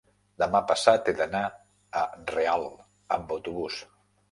Demà passat he d'anar a Real amb autobús.